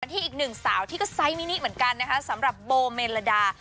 ที่อีกหนึ่งสาวที่ก็ไซส์มินิเหมือนกันนะคะสำหรับโบเมลดา